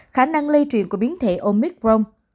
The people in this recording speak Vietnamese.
khả năng lây truyền của biến thể omicron